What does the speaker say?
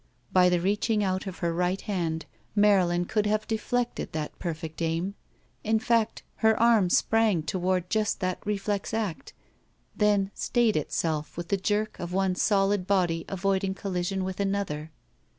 By the reaching out of her right hand Marylin could have deflected that perfect aim. In fact, her arm sprang toward just that reflex act, then stayed itself with the jerk of one solid body avoiding col lision with another.